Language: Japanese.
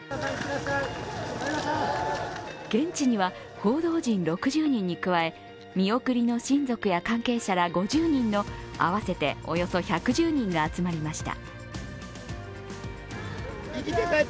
現地には報道陣６０人に加え見送りの親族や関係者ら５０人の合わせておよそ１１０人が集まりました。